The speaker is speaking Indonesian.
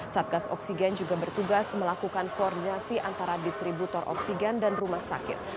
satgas oksigen juga bertugas melakukan koordinasi antara distributor oksigen dan rumah sakit